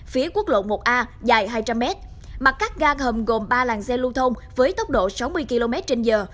phía quốc lộ một a dài hai trăm linh m mặt cắt ngang hầm gồm ba làng xe lưu thông với tốc độ sáu mươi km trên giờ